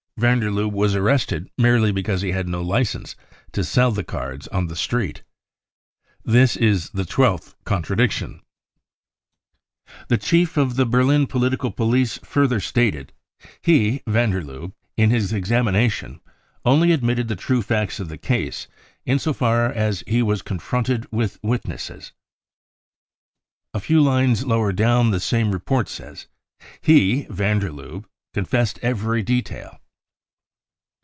Van der Lubbe was arrested merely because he had no licence to sell cards on the street. * This is the twelfth contradiction. THE REAL INCENDIARIES 97 [ i T he chief of the Beilin political police further stated : j; <£ He (van der Lubbe) in his examination only admitted the true facts of the case in so far as he was confronted .|| with witnesses." A few lines lower down the same report says :|" He (van der Lubbe) confessed every detail."